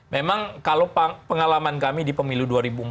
memang kalau pengalaman kami di pemilu dua ribu empat belas